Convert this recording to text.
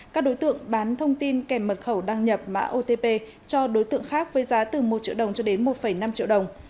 các đối tượng bán thông tin kèm mật khẩu đăng nhập mã otp cho đối tượng khác với giá từ một triệu đồng cho đến một năm triệu đồng